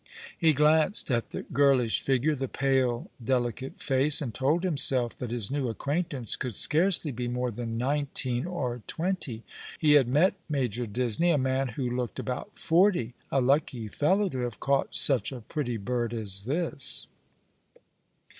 He glanced at the girlish figure, the pale delicate face, and told himself that his new acquaintance could scarcely be more than nineteen or twenty. He had met Major Disney, a man who looked about forty — a lucky fellow to have caught such a pretty bird as this.